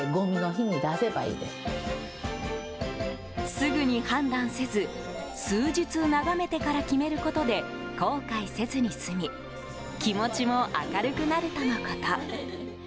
すぐに判断せず数日眺めてから決めることで後悔せずに済み気持ちも明るくなるとのこと。